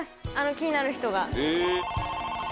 気になる人が。